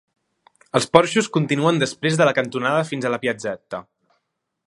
Els porxos continuen després de la cantonada fins a la Piazzeta.